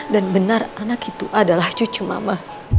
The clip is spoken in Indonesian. dan benar anak itu adalah cucu mama